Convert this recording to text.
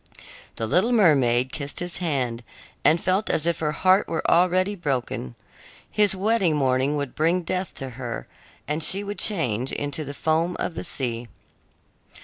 The little mermaid kissed his hand and felt as if her heart were already broken. His wedding morning would bring death to her, and she would change into the foam of the sea.